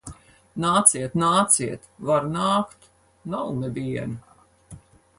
Nāciet, nāciet! Var nākt. Nav neviena.